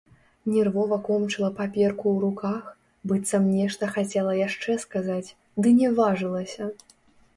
Нервова комчыла паперку ў руках, быццам нешта хацела яшчэ сказаць, ды не важылася.